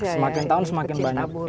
semakin tahun semakin banyak